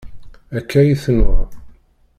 Akka i tenwa.